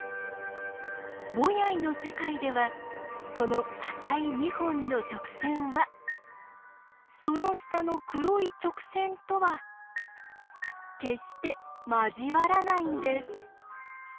ボヤイの世界ではこの赤い２本の直線はその下の黒い直線とは決して交わらないんです。